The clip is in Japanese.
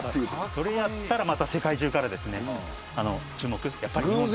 それをやったらまた世界中からやっぱり注目を。